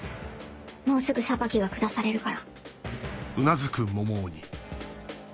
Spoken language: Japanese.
もうすぐ裁きが下されるから。